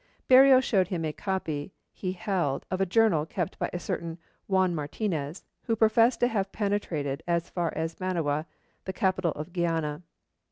Berreo showed him a copy he held of a journal kept by a certain Juan Martinez, who professed to have penetrated as far as Manoa, the capital of Guiana.